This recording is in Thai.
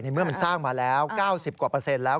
เมื่อมันสร้างมาแล้ว๙๐กว่าเปอร์เซ็นต์แล้ว